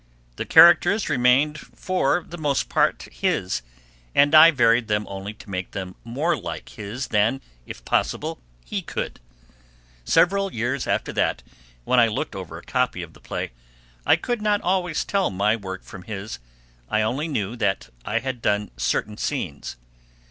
The characters remained for the most part his, and I varied them only to make them more like his than, if possible, he could. Several years after, when I looked over a copy of the play, I could not always tell my work from his; I only knew that I had done certain scenes.